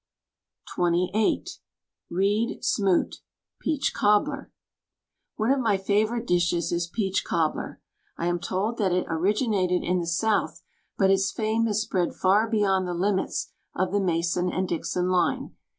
WRITTEN FOR MEN BY MEN XXVIII Reed Smoot PEACH COBBLER One of my favorite dishes is peach cobbler, I am told that it originated in the south, but its fame has spread far beyond the limits of the Mason and Dixon line.